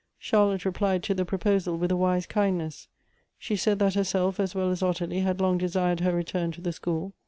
Charlotte replied to the proposal with a wise kindness. She said that herself, as well as Ottilie, had long desired her return to the school.